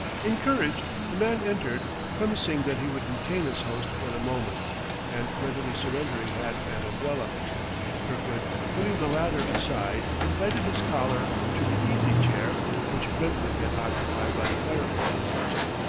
Encouraged, the man entered, premising that he would detain his host but a moment, and readily surrendering hat and umbrella. Kirkwood, putting the latter aside, invited his caller to the easy chair which Brentwick had occupied by the fireplace.